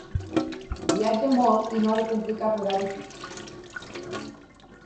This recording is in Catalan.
Viatja molt i no ha de complir cap horari fix.